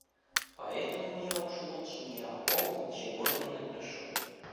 Поэтому я уж лучше ни о ком ничего не напишу.